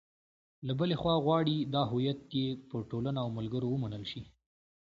له بلې خوا غواړي دا هویت یې په ټولنه او ملګرو ومنل شي.